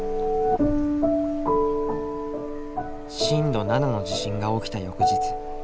震度７の地震が起きた翌日。